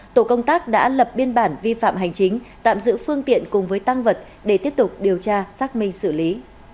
tổ công tác đã lập biên bản vi phạm hành chính tạm giữ phương tiện cùng với tăng vật để tiếp tục điều tra xác minh xử lý